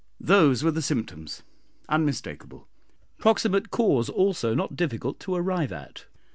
Those were the symptoms unmistakable. Proximate cause also not difficult to arrive at.